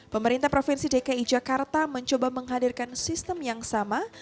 pemerintah provinsi dki jakarta mencoba menghadirkan sistem yang sama